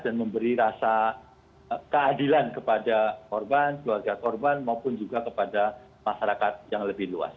dan memberi rasa keadilan kepada korban keluarga korban maupun juga kepada masyarakat yang lebih luas